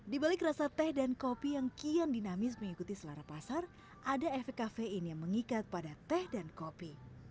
di balik rasa teh dan kopi yang kian dinamis mengikuti selara pasar ada efek kafein yang mengikat pada teh dan kopi